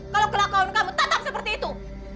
kalo kelakuan kamu tetap seperti itu